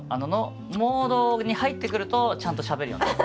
モードに入ってくるとちゃんとしゃべるようになる。